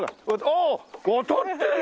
ああっ渡ってるよ！？